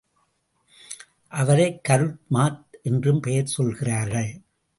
அவரை கருட் மாத் என்றும் பெயர் சொல்லுகிறார்கள்.